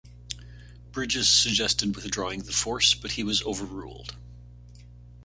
Bridges suggested withdrawing the force, but he was over-ruled.